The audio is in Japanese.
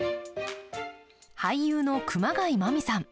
俳優の熊谷真実さん。